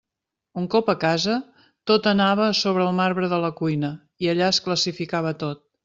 Un cop a casa, tot anava a sobre el marbre de la cuina, i allà es classificava tot.